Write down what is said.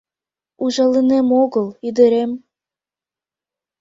— Ужалынем огыл, ӱдырем.